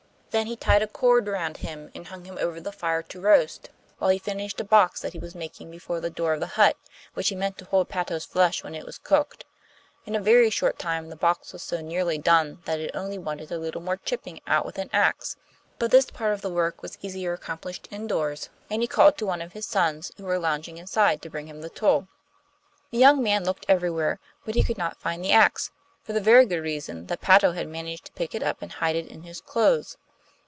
Then he tied a cord round him and hung him over the fire to roast, while he finished a box that he was making before the door of the hut, which he meant to hold Patto's flesh when it was cooked. In a very short time the box was so nearly done that it only wanted a little more chipping out with an axe; but this part of the work was easier accomplished indoors, and he called to one of his sons who were lounging inside to bring him the tool. The young man looked everywhere, but he could not find the axe, for the very good reason that Patto had managed to pick it up and hide it in his clothes.